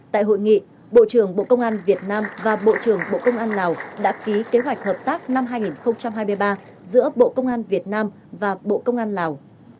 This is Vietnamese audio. tại hội nghị bộ trưởng bộ công an việt nam và bộ trưởng bộ công an lào đã ký kế hoạch hợp tác năm hai nghìn hai mươi ba giữa bộ công an việt nam và bộ công an lào